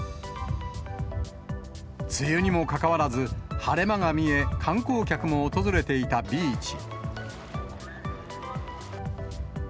梅雨にもかかわらず、晴れ間が見え、観光客も訪れていたビーチ。